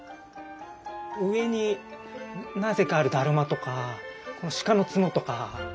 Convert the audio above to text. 上になぜかあるだるまとかこの鹿の角とか。